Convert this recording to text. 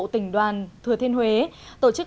tỉnh đoàn thừa thiên huế tổ chức